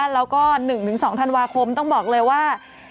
แล้วก็๑๒ธันวาคมต้องบอกเลยว่า